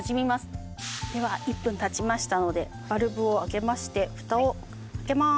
では１分経ちましたのでバルブを上げましてフタを開けます！